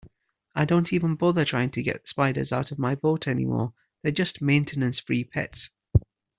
I don't even bother trying to get spiders out of my boat anymore, they're just maintenance-free pets.